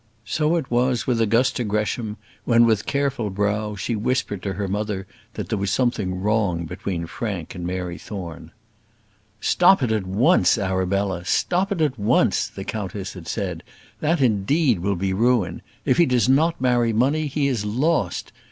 So it was with Augusta Gresham, when, with careful brow, she whispered to her mother that there was something wrong between Frank and Mary Thorne. "Stop it at once, Arabella: stop it at once," the countess had said; "that, indeed, will be ruin. If he does not marry money, he is lost.